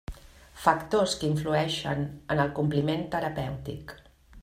Factors que influïxen en el compliment terapèutic.